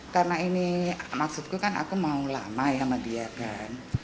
karena ini maksudku kan aku mau lama ya sama dia kan